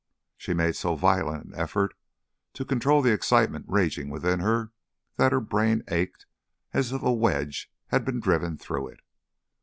She made so violent an effort to control the excitement raging within her that her brain ached as if a wedge had been driven through it.